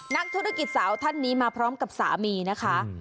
นักธุรกิจสาวท่านนี้มาพร้อมกับสามีนะคะ